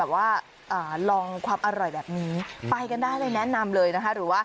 ไปกันได้เลยแนะนำเลยนะค่ะ